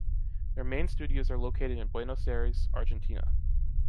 Their main studios are located in Buenos Aires, Argentina.